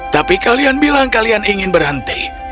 tapi kalian bilang kalian ingin berhenti